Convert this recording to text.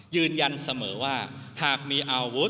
ยืนยันเสมอว่าหากมีอาวุธ